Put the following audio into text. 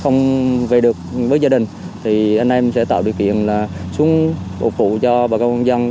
không về được với gia đình thì anh em sẽ tạo điều kiện xuống bộ phụ cho bà con dân